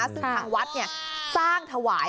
ซึ่งทางวัดเนี่ยสร้างถวาย